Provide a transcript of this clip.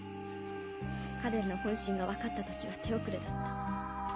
彼らの本心が分かった時は手遅れだった。